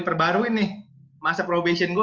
perbaruin nih masa probation gue